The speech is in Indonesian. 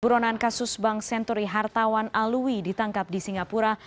buronan kasus bank senturi hartawan alwi ditangkap di singapura